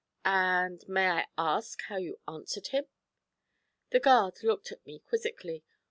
'And may I ask how you answered him?' The guard looked at me quizzically.